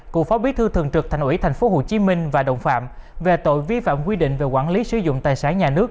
cựu phó bí thư thường trực thành ủy tp hcm và đồng phạm về tội vi phạm quy định về quản lý sử dụng tài sản nhà nước